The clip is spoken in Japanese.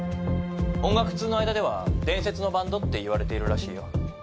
音楽通の間では伝説のバンドっていわれているらしいよ。